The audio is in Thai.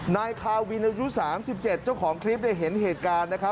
นายคาวินยุสามสิบเจ็ดเจ้าของคลิปได้เห็นเหตุการณ์นะคะ